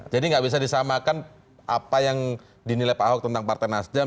jadi nggak bisa disamakan apa yang dinilai pak ahok tentang partai nasjam